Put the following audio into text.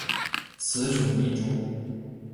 雄雌异株。